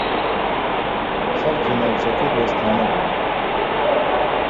خەڵکی ناوچەکە دۆستانە بوون.